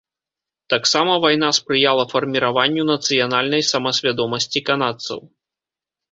Таксама вайна спрыяла фарміраванню нацыянальнай самасвядомасці канадцаў.